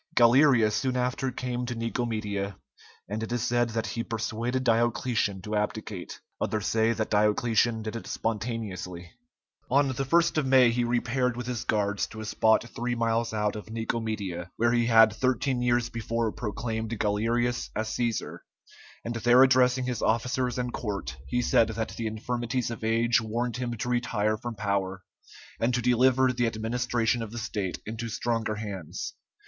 Galerius soon after came to Nicomedia, and it is said that he persuaded Diocletian to abdicate. Others say that Diocletian did it spontaneously. On the 1st of May he repaired with his guards to a spot three miles out of Nicomedia, where he had thirteen years before proclaimed Galerius as Cæsar, and there addressing his officers and court, he said that the infirmities of age warned him to retire from power, and to deliver the administration of the state into stronger hands.